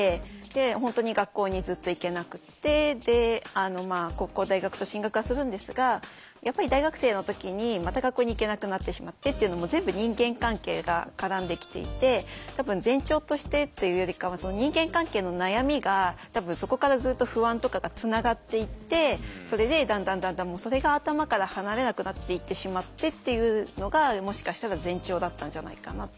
本当に学校にずっと行けなくって高校大学と進学はするんですがやっぱり大学生の時にまた学校に行けなくなってしまってというのも全部人間関係が絡んできていて多分前兆としてっていうよりかは人間関係の悩みが多分そこからずっと不安とかがつながっていってそれでだんだんだんだんそれが頭から離れなくなっていってしまってっていうのがもしかしたら前兆だったんじゃないかな。